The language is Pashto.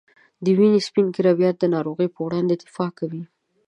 د وینې سپین کرویات د ناروغۍ په وړاندې دفاع کوي.